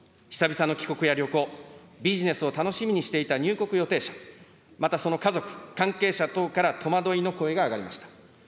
久々の帰国や旅行、ビジネスを楽しみにしていた入国予定者、またその家族、関係者等から戸惑いの声が上がりました。